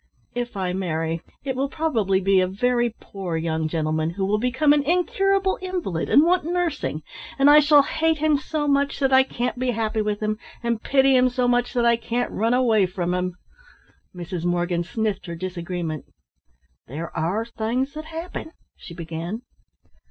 If I marry it will probably be a very poor young gentleman who will become an incurable invalid and want nursing. And I shall hate him so much that I can't be happy with him, and pity him so much that I can't run away from him." Mrs. Morgan sniffed her disagreement. "There are things that happen " she began.